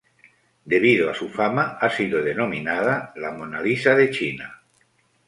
Debido a su fama, ha sido denominada "La Mona Lisa de China".